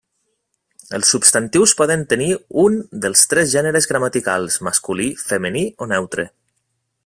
Els substantius poden tenir un dels tres gèneres gramaticals: masculí, femení o neutre.